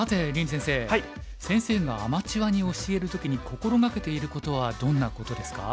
先生がアマチュアに教える時に心掛けていることはどんなことですか？